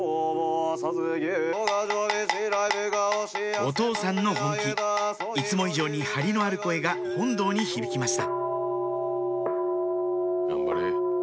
お父さんの本気いつも以上に張りのある声が本堂に響きました